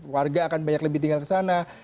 warga akan banyak lebih tinggal ke sana